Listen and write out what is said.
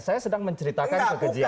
saya sedang menceritakan kekejian